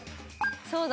そうだ。